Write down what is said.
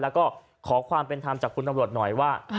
แล้วก็ขอความเป็นธรรมจากคุณตำรวจหน่อยว่า